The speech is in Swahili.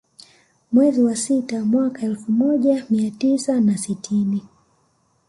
Mwezi wa sita mwaka elfu moja mia tisa na sitini